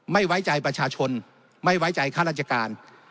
ไม่ไว้ใจประชาชนไม่ไว้ใจข้าราชการ